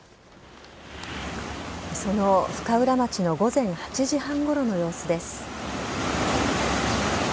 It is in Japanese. その深浦町の午前８時半ごろの様子です。